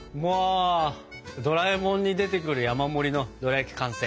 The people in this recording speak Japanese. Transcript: ドラえもんに出てくる山盛りのドラやき完成。